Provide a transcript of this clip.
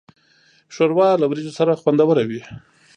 ښوروا له وریژو سره خوندوره وي.